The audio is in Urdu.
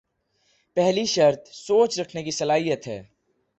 پہلی شرط سوچ رکھنے کی صلاحیت ہے۔